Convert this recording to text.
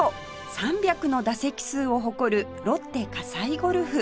３００の打席数を誇るロッテ西ゴルフ